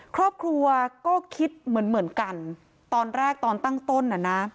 ครอบครัวก็คิดเหมือนเหมือนกันตอนแรกตอนตั้งต้นน่ะนะ